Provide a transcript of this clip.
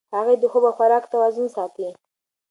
هغې د خوب او خوراک توازن ساتي.